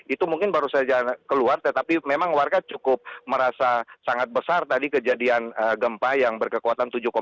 itu mungkin baru saja keluar tetapi memang warga cukup merasa sangat besar tadi kejadian gempa yang berkekuatan tujuh empat